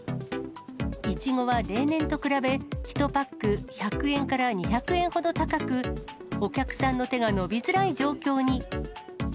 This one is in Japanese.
イチゴは例年と比べ、１パック１００円から２００円ほど高く、お客さんの手が伸びづらい状況に。